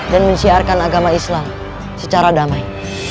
dan menciarkan agama islam secara damai